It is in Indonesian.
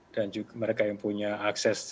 dan juga mereka yang punya akses